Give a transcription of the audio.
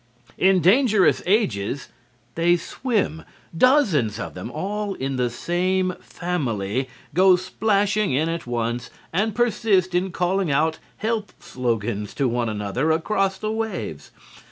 In "Dangerous Ages" they swim. Dozens of them, all in the same family, go splashing in at once and persist in calling out health slogans to one another across the waves.